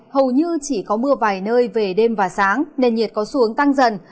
hầu như chỉ có mưa vài nơi về đêm và sáng nền nhiệt có xu hướng tăng dần